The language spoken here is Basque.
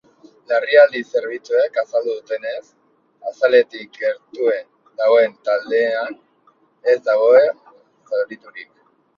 Larrialdi zerbitzuek azaldu dutenez, azaletik gertuen dagoen taldean ez dago zauriturik.